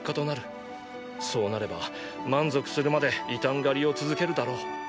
そうなれば満足するまで異端狩りを続けるだろう。